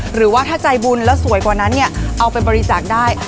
หรือว่าถ้าใจบุญแล้วสวยกว่านั้นเนี่ยเอาไปบริจาคได้